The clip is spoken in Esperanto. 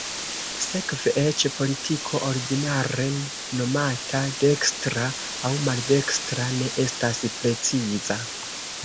Sekve, eĉ politiko ordinare nomata "dekstra" aŭ "maldekstra" ne estas preciza.